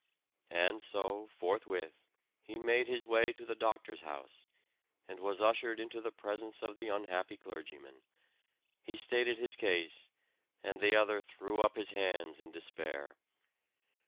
And so, forthwith, he made his way to the doctor's house, and was ushered into the presence of the unhappy clergyman. He stated his case; and the other threw up his hands in despair.